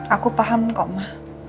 aku paham kok ma